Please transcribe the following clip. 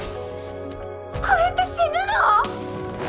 これって死ぬの！？